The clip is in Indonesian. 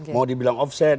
mau dibilang offside